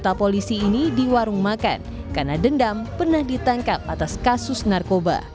anggota polisi ini di warung makan karena dendam pernah ditangkap atas kasus narkoba